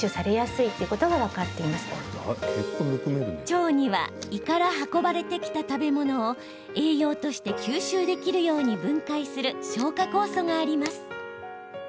腸には胃から運ばれてきた食べ物を栄養として吸収できるように分解する消化酵素があります。